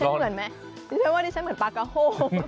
นี่ฉันเหมือนไหมนี่ฉันเหมือนปลากระโฮ